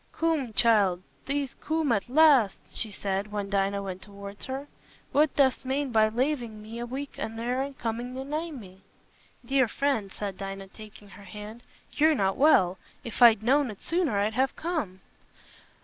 "Coom, child, thee't coom at last," she said, when Dinah went towards her. "What dost mane by lavin' me a week an' ne'er coomin' a nigh me?" "Dear friend," said Dinah, taking her hand, "you're not well. If I'd known it sooner, I'd have come."